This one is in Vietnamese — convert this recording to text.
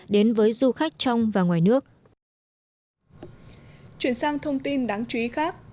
đối với du khách trong và ngoài nước chuyển sang thông tin đáng chú ý khác